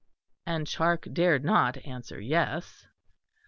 And Charke dared not answer yes.